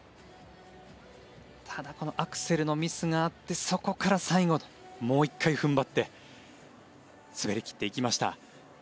ただこのアクセルのミスがあってそこから最後もう一回踏ん張って滑り切っていきました。